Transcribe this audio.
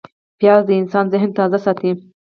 پیاز د انسان ذهن تازه ساتي